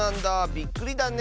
びっくりだねえ。